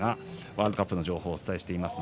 ワールドカップの情報をお伝えしています。